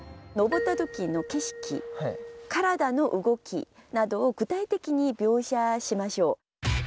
登った時の景色体の動きなどを具体的に描写しましょう。